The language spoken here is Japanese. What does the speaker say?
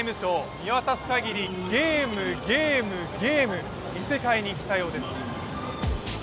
見渡すかぎりゲーム、ゲーム−ゲーム異世界に来たようです。